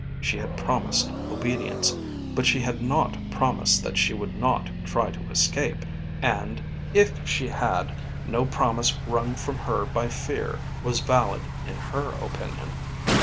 She had promised obedience, but she had not promised that she would not try to escape, and, if she had, no promise wrung from her by fear was valid in her opinion.